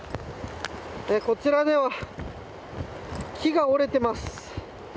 こちらでは木が折れています。